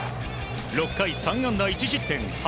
６回３安打１失点８